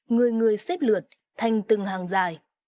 người người xếp lượt thành từng hàng dài